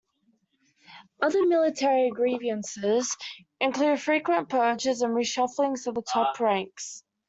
Other military grievances included frequent purges and reshufflings of the top ranks.